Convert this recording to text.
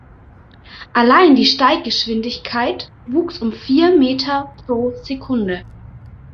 Allein die Steiggeschwindigkeit wuchs um vier Meter pro Sekunde.